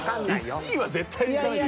１位は絶対にないよ。